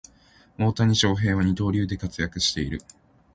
大谷翔平は二刀流で活躍している